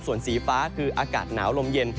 ส่วนสีฟ้าคืออากาศหนาวลมเย็น